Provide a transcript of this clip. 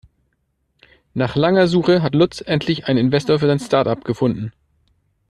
Nach langer Suche hat Lutz endlich einen Investor für sein Startup gefunden.